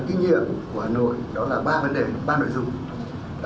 kinh nghiệm của hà nội đó là ba vấn đề ba nội dung